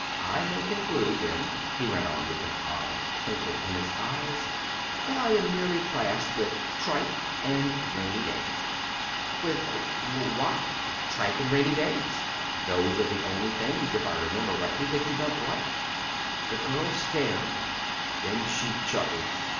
I may conclude then," he went on with an odd twinkle in his eyes, "that I am merely classed with tripe and rainy days." "With wha at?" "Tripe and rainy days. Those are the only things, if I remember rightly, that you don't like." The girl stared; then she chuckled.